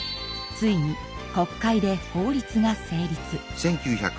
ついに国会で法律が成立。